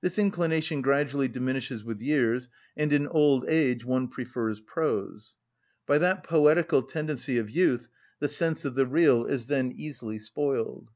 This inclination gradually diminishes with years, and in old age one prefers prose. By that poetical tendency of youth the sense of the real is then easily spoiled.